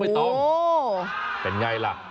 เป็นไงล่ะ